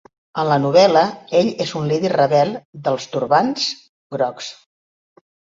En la novel·la ell és un líder rebel dels Turbants Grocs.